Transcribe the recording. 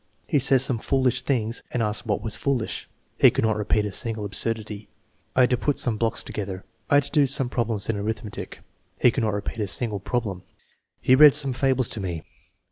He said some foolish things and asked what was foolish [he could not repeat a single absurdity]. I had to put some blocks together. I had to do some problems in arithmetic [he could not repeat a single prob lem]. He read some fables to me.